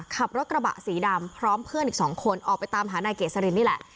ขับรถกระบะสีดำพร้อมเพื่อนอีกสองคนออกไปตามหานายเกษรินนี่แหละ